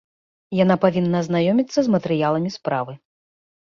Яна павінна азнаёміцца з матэрыяламі справы.